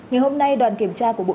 ngày hôm nay đoàn kiểm tra của bộ